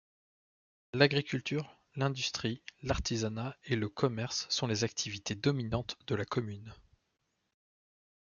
L'agriculture, l'industrie, l'artisanat et le commerce sont les activités dominantes de la commune.